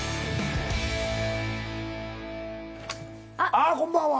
あっこんばんは。